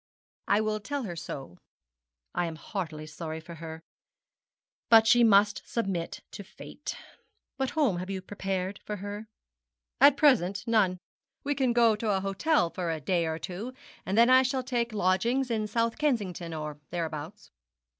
'I will tell her so. I am heartily sorry for her. But she must submit to fate. What home have you prepared for her?' 'At present none. We can go to an hotel for a day or two, and then I shall take lodgings in South Kensington, or thereabouts.'